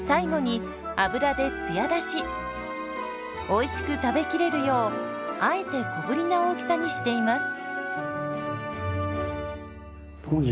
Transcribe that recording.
おいしく食べきれるようあえて小ぶりな大きさにしています。